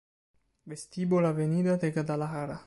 Vestibolo Avenida de Guadalajara